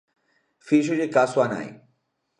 Fíxolle caso á nai.